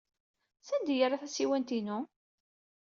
Sanda ay yerra tasiwant-inu?